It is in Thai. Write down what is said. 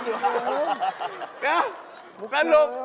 เดี๋ยวมุกกันลุก